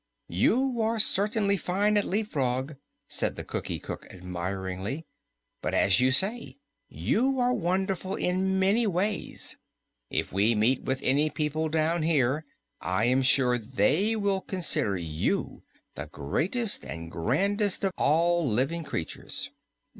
"You are certainly fine at leap frog," said the Cookie Cook admiringly, "but, as you say, you are wonderful in many ways. If we meet with any people down here, I am sure they will consider you the greatest and grandest of all living creatures."